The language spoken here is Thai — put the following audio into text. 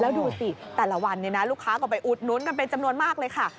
แล้วดูสิแต่ละวันลูกค้าก็ไปอุดหนุนกันเป็นจำนวนมากเลยค่ะ